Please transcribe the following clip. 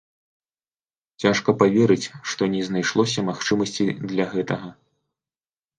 Цяжка паверыць, што не знайшлося магчымасці для гэтага.